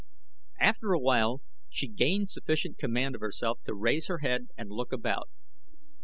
After a while she gained sufficient command of herself to raise her head and look about.